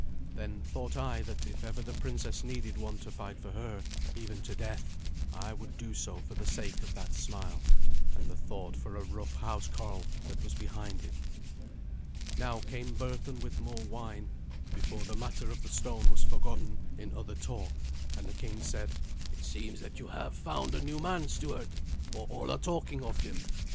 Then thought I that if ever the princess needed one to fight for her, even to death, I would do so for the sake of that smile and the thought for a rough housecarl that was behind it. Now came Berthun with more wine, before the matter of the stone was forgotten in other talk, and the king said, "It seems that you have found a new man, steward, for all are talking of him.